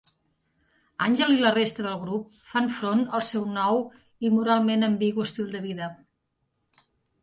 Angel i la resta del grup fan front al seu nou i moralment ambigu estil de vida.